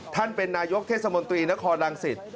ท่านเป็นนายกเทศมนตรีนครรังสิต